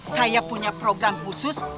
saya punya program khusus